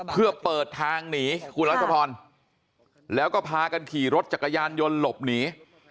เพื่อเปิดทางหนีคุณรัชพรแล้วก็พากันขี่รถจักรยานยนต์หลบหนี